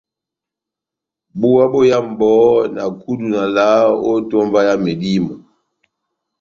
Búwa bóyámu bohó, na kudu na valaha ó etómba yá medímo.